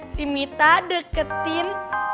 si mita deketin